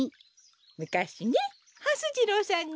むかしねはす次郎さんに。